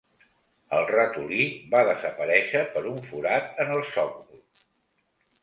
El ratolí va desaparèixer per un forat en el sòcol.